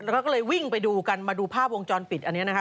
แล้วก็ก็เลยวิ่งไปดูกันมาดูภาพวงจรปิดอันนี้นะคะ